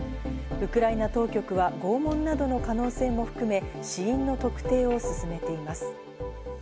ウクライナ当局は拷問などの可能性も含め、死因の特定を進めています。